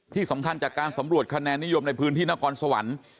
ที่สำคัญจากการสำรวจคะแนนนิยมในพื้นที่นครสวรรค์